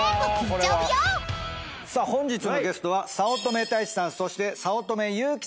本日のゲスト早乙女太一さんそして早乙女友貴さん